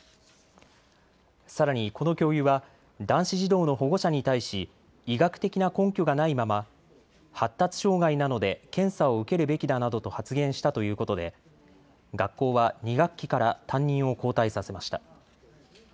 さらに、この教諭は男子児童の保護者に対し医学的な根拠がないまま発達障害なので検査を受けるべきだなどと発言したということで学校は２学期から担任を交代させました。